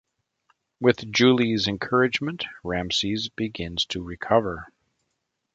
With Julie's encouragement, Ramses begins to recover.